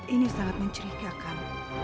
ini sangat menceritakan